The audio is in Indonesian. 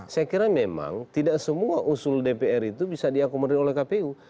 saya kira memang tidak semua usul dpr itu bisa diakomodir oleh kpu